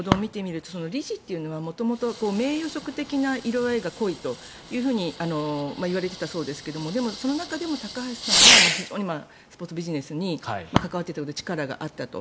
今日の各紙の報道を見てみると理事というのは元々、名誉職的な意味合いが濃いといわれていたそうですがでもその中でも高橋さんは非常にスポーツビジネスに関わっていたので力があったと。